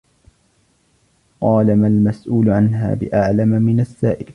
قالَ: مَا الْمَسْؤُولُ عَنْها بِأَعْلَمَ مِنَ السَّائِلِ.